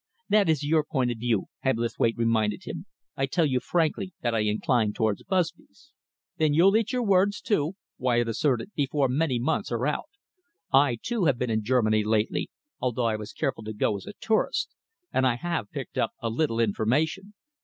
"That is your point of view," Hebblethwaite reminded him. "I tell you frankly that I incline towards Busby's." "Then you'll eat your words," Wyatt asserted, "before many months are out. I, too, have been in Germany lately, although I was careful to go as a tourist, and I have picked up a little information.